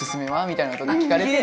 みたいなこと聞かれて。